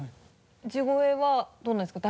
地声はどうなんですか？